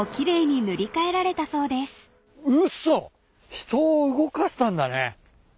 人を動かしたんだね。